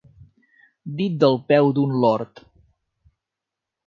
Dit del peu d'un lord.